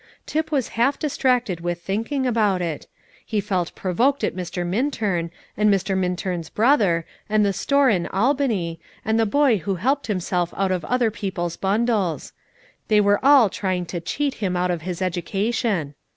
Tip was half distracted with thinking about it; he felt provoked at Mr. Minturn, and Mr. Minturn's brother, and the store in Albany, and the boy who helped himself out of other people's bundles; they were all trying to cheat him out of his education.